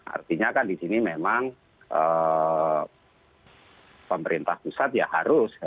artinya kan di sini memang pemerintah pusat ya harus